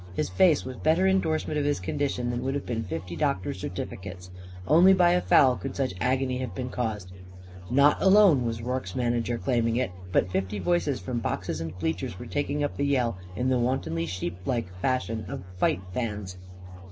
His face was better indorsement of his condition than would have been fifty doctors' certificates. Only by a foul could such agony have been caused. Not alone was Rorke's manager claiming it, but fifty voices from boxes and bleachers were taking up the yell in the wontedly sheeplike fashion of fight fans.